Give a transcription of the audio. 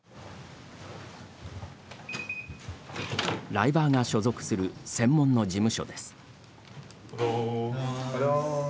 ライバーが所属する専門の事務所です。